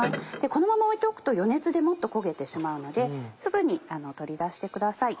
このまま置いておくと余熱でもっと焦げてしまうのですぐに取り出してください。